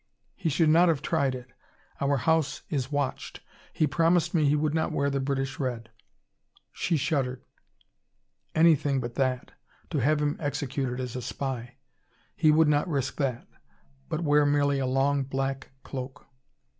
"He should not have tried it. Our house is watched. He promised me he would not wear the British red." She shuddered. "Anything but that to have him executed as a spy. He would not risk that, but wear merely a long black cloak.